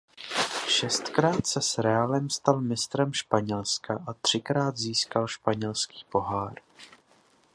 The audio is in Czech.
Šestkrát se s Realem stal mistrem Španělska a třikrát získal španělský pohár.